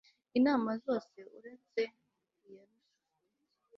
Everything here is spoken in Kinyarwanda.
inama zose, uretse iya susheferi